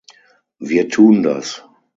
Wir tun das.